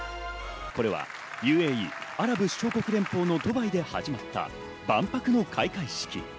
これはＵＡＥ＝アラブ首長国連邦のドバイで始まった万博の開会式。